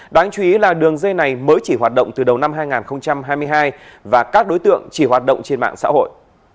đáng chú ý là đường dây này mới chỉ hoạt động từ đầu năm hai nghìn hai mươi hai và các đối tượng chỉ hoạt động trên mạng xã hội